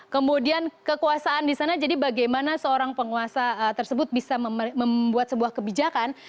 kemudian kekuasaan di sana jadi bagaimana seorang penguasa tersebut bisa membuat sebuah kebijakan